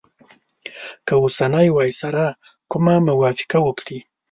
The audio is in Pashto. که اوسنی وایسرا کومه موافقه وکړي.